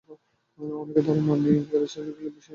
অনেকের ধারণা, আপনি প্যারাসাইকোলজি বিষয়ের একজন বিশেষজ্ঞ।